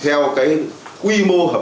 theo gắn kết với doanh nghiệp